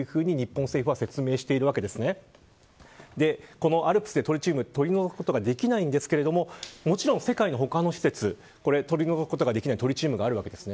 このＡＬＰＳでトリチウムを取り除くことができないんですがもちろん、世界の他の施設取り除くことができないトリチウムがあるわけです。